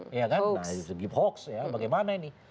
nah itu segi hoax ya bagaimana ini